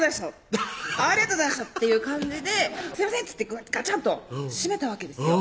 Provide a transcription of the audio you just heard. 「ありがとうございました！」っていう感じで「すいません！」っつってガチャッと閉めたわけですよ